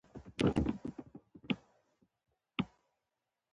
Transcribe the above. راکټ له انفجار نه وروسته هم مؤثر پاتې کېږي